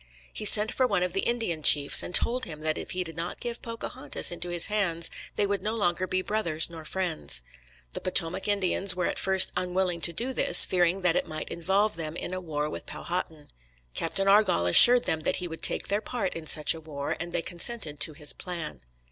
He sent for one of the Indian chiefs, and told him that if he did not give Pocahontas into his hands they would no longer be "brothers nor friends." The Potomac Indians were at first unwilling to do this, fearing that it might involve them in a war with Powhatan. Captain Argall assured them that he would take their part in such a war, and they consented to his plan.